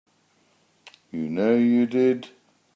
You know you did.